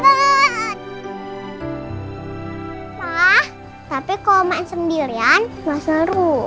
pa tapi kalau main sendirian enggak seru